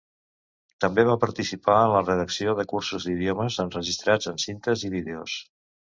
També va participar en la redacció de cursos d'idiomes enregistrats en cintes i vídeos.